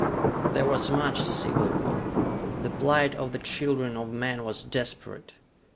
There was much civil war. The plight of the children of men was desperate.